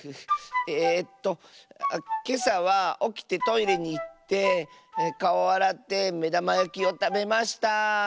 えっとけさはおきてトイレにいってかおあらってめだまやきをたべました。